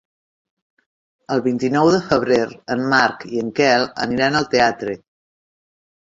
El vint-i-nou de febrer en Marc i en Quel aniran al teatre.